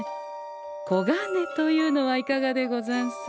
こがねというのはいかがでござんす？